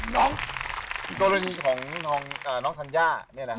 น้องตรวจนี้ของน้องทันย่าเนี่ยนะครับ